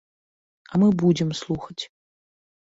А мы будзем слухаць.